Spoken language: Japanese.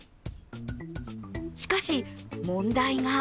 しかし、問題が。